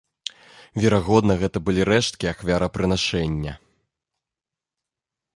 Верагодна, гэта былі рэшткі ахвярапрынашэння.